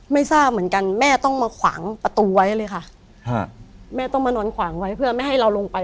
ไม่ทราบเหมือนกันแม่ต้องมาขวางประตูไว้เลยค่ะแม่ต้องมานอนขวางไว้เพื่อไม่ให้เราลงไป